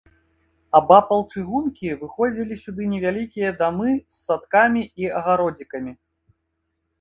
Абапал чыгункі выходзілі сюды невялікія дамы з садкамі і агародзікамі.